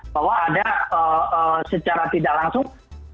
bahwa ada secara tidak langsung